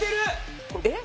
えっ？